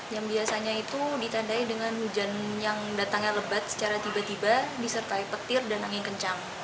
yang biasanya itu ditandai dengan hujan yang datangnya lebat secara tiba tiba disertai petir dan angin kencang